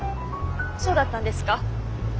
そうだったんですか。